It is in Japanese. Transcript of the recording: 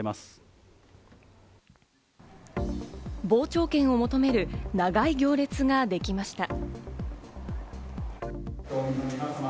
傍聴券を求める長い行列ができました。